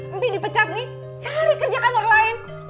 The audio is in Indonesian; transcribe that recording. mimpi dipecat nih cari kerja kantor lain